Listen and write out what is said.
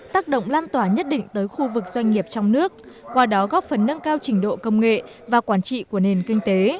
tác động lan tỏa nhất định tới khu vực doanh nghiệp trong nước qua đó góp phần nâng cao trình độ công nghệ và quản trị của nền kinh tế